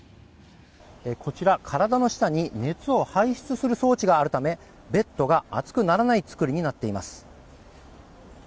こちら、体の下に熱を排出する装置があるためベッドが熱くならない作りになっています。